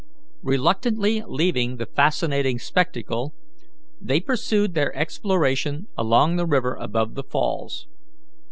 Reluctantly leaving the fascinating spectacle, they pursued their exploration along the river above the falls.